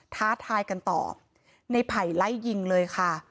ท้าทายกันต่อในไผ่ไล่ยิงเลยค่ะ